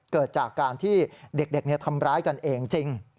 เกิดจากการที่เด็กทำร้ายกันเองจริง